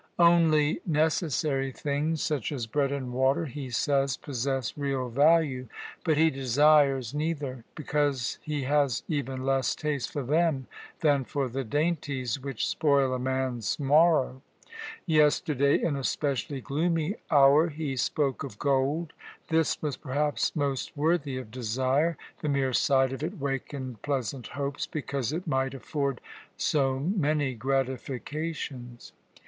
Only necessary things, such as bread and water, he says, possess real value; but he desires neither, because he has even less taste for them than for the dainties which spoil a man's morrow. Yesterday in a specially gloomy hour, he spoke of gold. This was perhaps most worthy of desire. The mere sight of it awakened pleasant hopes, because it might afford so many gratifications.